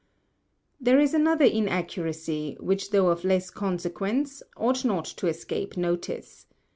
There is another Inaccuracy, which thoŌĆÖ of less Consequence, ought not to escape notice.